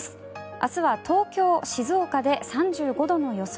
明日は東京、静岡で３５度の予想。